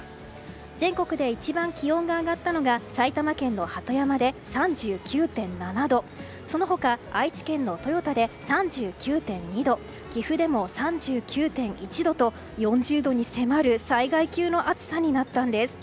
全国で一番気温が上がったのが埼玉県の鳩山で３９．７度その他愛知県の豊田で３９．２度岐阜でも３９．１度と４０度に迫る災害級の暑さになったんです。